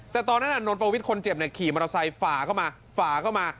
แต่ตอนนั้นนอนปวิทย์คนเจ็บแบบขี่มอเตอร์ไซค์ค่อยฝาก็มา